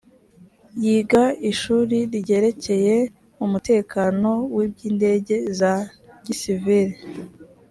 yiga ishuri ryerekeye umutekano w’iby’indege za gisivili